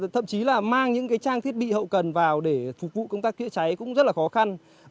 thậm chí là mang những trang thiết bị hậu cần vào để phục vụ công tác chữa cháy cũng rất là khó khăn